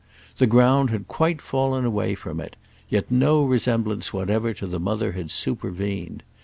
The ground had quite fallen away from it, yet no resemblance whatever to the mother had supervened.